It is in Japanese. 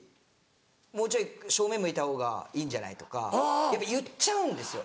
もうちょい正面向いた方がいいんじゃない？」とかやっぱ言っちゃうんですよ。